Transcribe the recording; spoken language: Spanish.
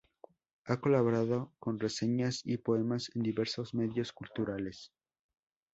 Ha colaborado con reseñas y poemas en diversos medios culturales.